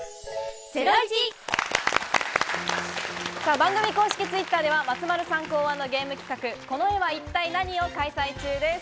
番組公式Ｔｗｉｔｔｅｒでは松丸さん考案のゲーム企画「この絵は一体ナニ！？」を開催中です。